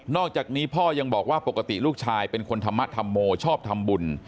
อกจากนี้พ่อยังบอกว่าปกติลูกชายเป็นคนธรรมธรรโมชอบทำบุญ